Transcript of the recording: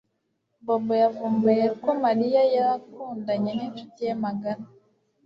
Bobo yavumbuye ko Mariya yakundanye nincuti ye magara